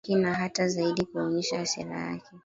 na Waturuki na hata zaidi kuwaonyesha hasira yako